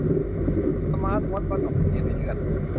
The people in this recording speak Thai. สมาร์ตวอตช์วัดออกซิเจนในเลือด